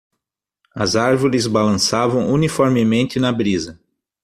As árvores balançavam uniformemente na brisa.